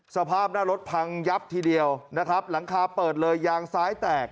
สภาพหน้ารถพังยับทีเดียวนะครับหลังคาเปิดเลยยางซ้ายแตก